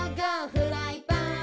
フライパン！」